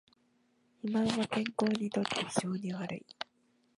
肥満は健康にとって非常に悪い